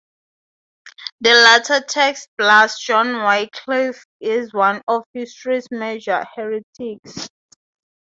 The latter text blasts John Wycliffe as one of history's major heretics.